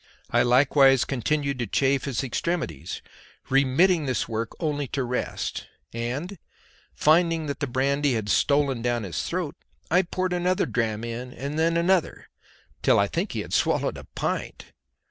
I likewise continued to chafe his extremities, remitting this work only to rest, and finding that the brandy had stolen down his throat, I poured another dram in and then another, till I think he had swallowed a pint.